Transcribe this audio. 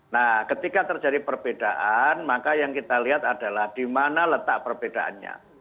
nah ketika terjadi perbedaan maka yang kita lihat adalah di mana letak perbedaannya